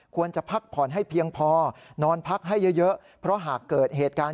พักผ่อนให้เพียงพอนอนพักให้เยอะเพราะหากเกิดเหตุการณ์